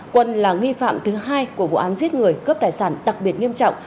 quân là nghi phạm thứ hai của vụ án giết người cướp tài sản đặc biệt nghiêm trọng